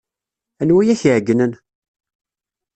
Anwa ay ak-iɛeyynen?